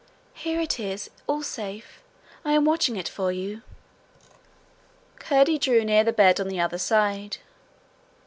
'Here it is all safe. I am watching it for you.' Curdie drew near the bed on the other side.